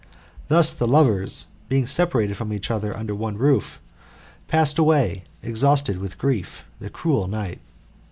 Thus the lovers, being separated from each other under one roof, passed away, ex hausted with grief, the cruel night.